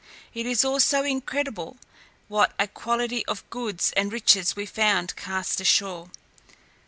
It is also incredible what a quantity of goods and riches we found cast ashore.